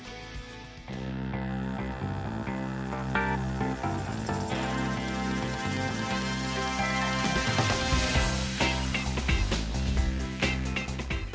dan setelah itu mereka juga menjual produk produk dari bnn